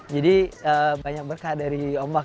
jadi banyak berkah dari ombak